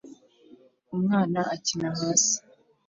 Umwana akina hasi